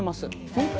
本当。